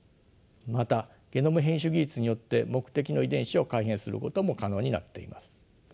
またゲノム編集技術によって目的の遺伝子を改変することも可能になっています。